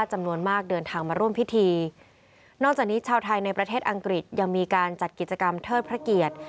จำนวนมากเดินทางมาร่วมพิธีนอกจากนี้ชาวไทยในประเทศอังกฤษยังมีการจัดกิจกรรมเทิดพระเกียรติ